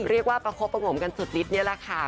เรียกว่าประโคปรงกลมกันสุดนิดนี่ละค่ะ